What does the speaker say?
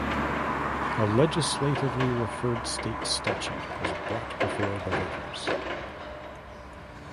A legislatively referred state statute was brought before the voters.